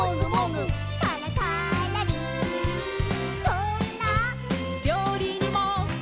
「どんな」「料理にも」